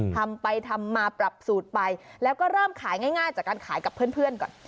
ทำไปทำมาปรับสูตรไปแล้วก็เริ่มขายง่ายจากการขายกับเพื่อนก่อน